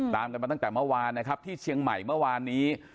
ตามกันมาตั้งแต่เมื่อวานนะครับที่เชียงใหม่เมื่อวานนี้